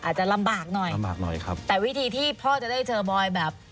อาจจะลำบากหน่อยลำบากหน่อยครับแต่วิธีที่พ่อจะได้เจอบอยแบบ